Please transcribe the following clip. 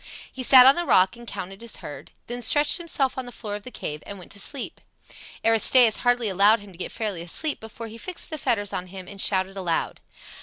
He sat on the rock and counted his herd; then stretched himself on the floor of the cave and went to sleep. Aristaeus hardly allowed him to get fairly asleep before he fixed the fetters on him and shouted aloud.